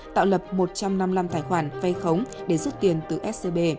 tạo lập một trăm năm mươi năm tài khoản vay khống để rút tiền từ scb